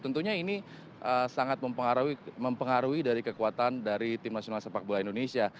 tentunya ini sangat mempengaruhi dari kekuatan dari tim nasional sepak bola indonesia